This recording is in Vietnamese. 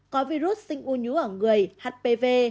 có virus sinh u nhú ở người hpv